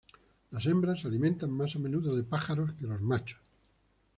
Las hembras se alimentan más a menudo de pájaros que los machos.